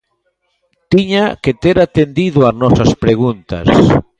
Tiña que ter atendido as nosas preguntas.